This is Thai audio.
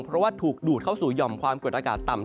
เพราะว่าถูกดูดเข้าสู่หย่อมความกดอากาศต่ำ